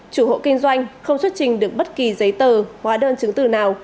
chủ hộ kinh doanh không xuất trình được bất kỳ giấy tờ hóa đơn chứng từ nào